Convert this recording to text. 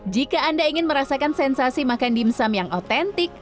jika anda ingin merasakan sensasi makan dimsum yang otentik